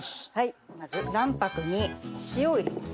まず卵白に塩を入れます。